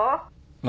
何？